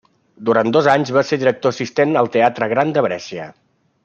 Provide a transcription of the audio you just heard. Durant dos anys va ser director assistent al Teatre Gran de Brescia.